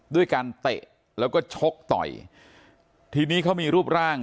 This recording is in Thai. ด้วยการเตะแล้วก็ชกต่อยทีนี้เขามีรูปร่าง